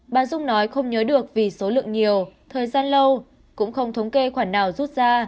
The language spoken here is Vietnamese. bà dung nói không nhớ được vì số lượng nhiều thời gian lâu cũng không thống kê khoản nào rút ra